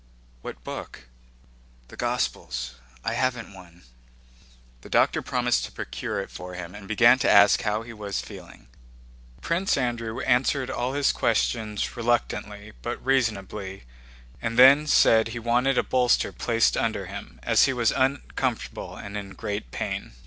"What book?" "The Gospels. I haven't one." The doctor promised to procure it for him and began to ask how he was feeling. Prince Andrew answered all his questions reluctantly but reasonably, and then said he wanted a bolster placed under him as he was uncomfortable and in great pain.